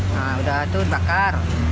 nah udah itu dibakar